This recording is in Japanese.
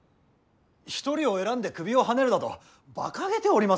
一人を選んで首をはねるなどばかげております。